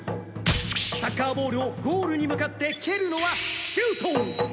サッカーボールをゴールに向かってけるのはシュート！